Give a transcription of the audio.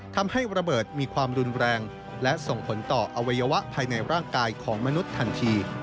ทำให้ระเบิดมีความรุนแรงและส่งผลต่ออวัยวะภายในร่างกายของมนุษย์ทันที